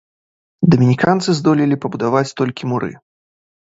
Дамініканцы здолелі пабудаваць толькі муры.